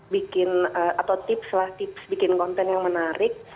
bikin atau tips lah tips bikin konten yang menarik